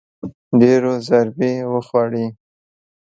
ډېرو ضربې وخوړې